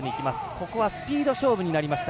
ここはスピード勝負になりました。